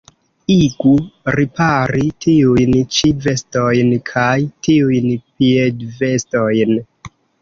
Igu ripari tiujn ĉi vestojn kaj tiujn piedvestojn.